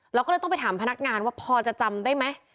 เราก็เลยต้องไปถามพนักงานว่าพอจะจำได้ไหม